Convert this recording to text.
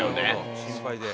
心配で。